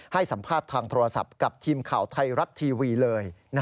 ให้สัมภาษณ์ทางโทรศัพท์กับทีมข่าวไทยรัฐทีวีเลย